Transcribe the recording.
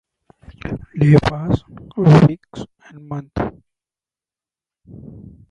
The days passed, the weeks, the months.